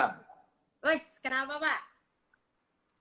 wiss kenapa pak